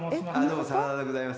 どうも真田でございます。